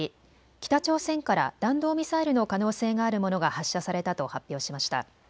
北朝鮮から弾道ミサイルの可能性があるものが発射されたと発表しました。